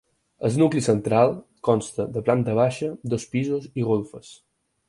El nucli central consta de planta baixa, dos pisos i golfes.